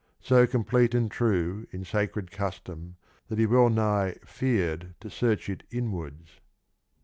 so complete and true In sacred custom that he well nigh fear'd To search it inwards.